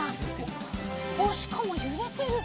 おしかもゆれてる。